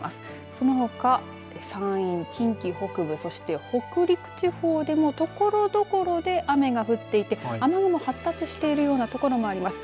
そのほか、山陰、近畿北部そして北陸地方でもところどころで雨が降っていて雨雲発達してるような所もあります。